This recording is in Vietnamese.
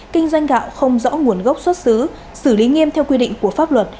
kinh doanh gạo không rõ nguồn gốc xuất xứ xử lý nghiêm theo quy định của pháp luật